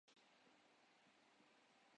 ریزگاری رکھ لیجئے